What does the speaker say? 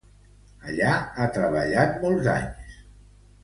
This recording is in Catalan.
Allí ha treballat molts anys.